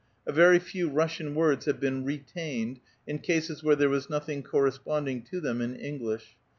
A very few Russian words have been retained, in cases where there was nothing corre sponding to them in English.